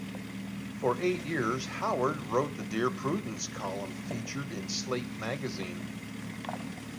For eight years, Howard wrote the "Dear Prudence" column featured in "Slate" magazine.